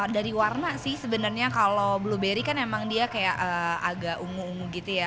dari warna sih sebenarnya kalau blueberry kan emang dia kayak agak ungu ungu gitu ya